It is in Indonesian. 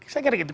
saya kira begitu